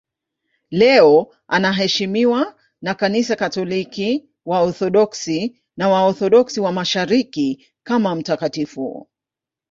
Leo anaheshimiwa na Kanisa Katoliki, Waorthodoksi na Waorthodoksi wa Mashariki kama mtakatifu.